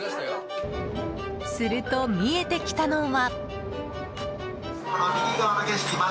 すると、見えてきたのは。